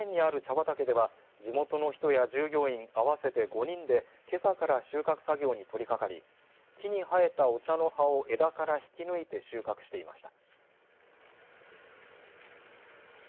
畑では地元の人や従業員合わせて５人でけさから収穫作業に取りかかり木に生えたお茶の葉を枝から引き抜いて収穫していました。